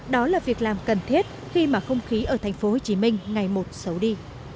đó là việc làm cần thiết khi mà không khí ở tp hcm ngày một xấu đi